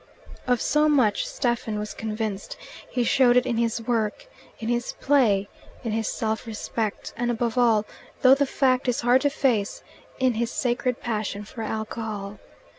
Of so much Stephen was convinced: he showed it in his work, in his play, in his self respect, and above all though the fact is hard to face in his sacred passion for alcohol.